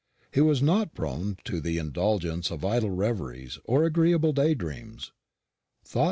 He was not prone to the indulgence of idle reveries or agreeable day dreams.